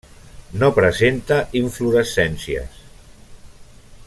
No presenta inflorescències.